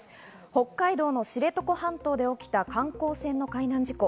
北海道の知床半島で起きた観光船の海難事故。